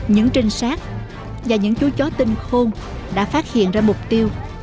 những trinh sát và những chú chó tinh khôn đã phát hiện ra mục tiêu